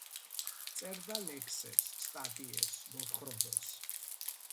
წერდა ლექსებს, სტატიებს, მოთხრობებს.